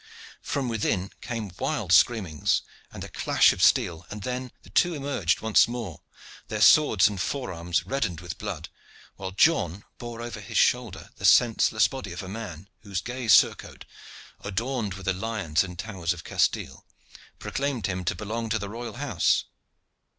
From within came wild screamings and the clash of steel, and then the two emerged once more, their swords and forearms reddened with blood, while John bore over his shoulder the senseless body of a man whose gay surcoat, adorned with the lions and towers of Castile, proclaimed him to belong to the royal house.